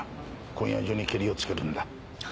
今夜中にケリをつけるんだ。